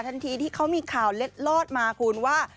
ทันทีที่เขามีข่าวเล็ดลอดมาคุณว่า